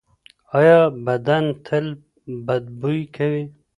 ایا بدن تل بد بوی کوي؟